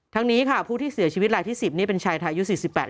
นี้ค่ะผู้ที่เสียชีวิตรายที่๑๐นี่เป็นชายไทยอายุ๔๘ปี